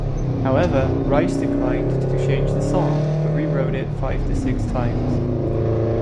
However, Rice declined to change the song, but rewrote it five to six times.